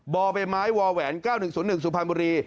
บ่อใบไม้วแหวน๙๑๐๑สุพรรณบุรี